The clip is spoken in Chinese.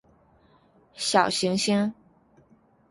小行星